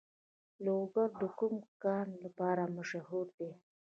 لوګر د کوم کان لپاره مشهور دی؟